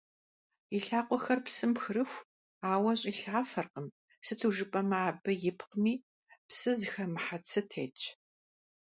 И лъакъуэхэр псым пхырыху, ауэ щӀилъафэркъым, сыту жыпӀэмэ, абы ипкъми, псы зыхэмыхьэ цы тетщ.